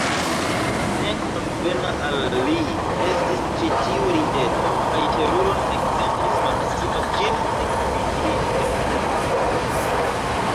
Ne konvena al li estis ĉi tiu rideto, kaj teruron eksentis Maksimo, ĝin ekvidinte.